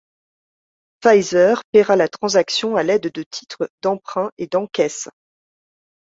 Pfizer paiera la transaction à l'aide de titres, d'emprunts et d'encaisse.